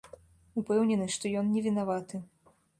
Упэўнены, што ён невінаваты.